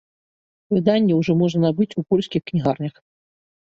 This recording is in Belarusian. Выданне ўжо можна набыць у польскіх кнігарнях.